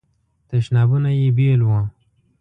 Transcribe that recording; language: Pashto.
تشنابونه یې بیل وو.